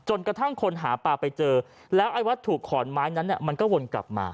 จนกระทั่งคนหาป่าไปเจอและไว้ถูกขอนไม้นั้นมันก็วนกลับมา